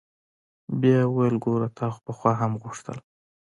بيا يې وويل ګوره تا خو پخوا هم غوښتل.